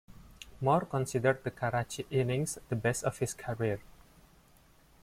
More considered the Karachi innings the best of his career.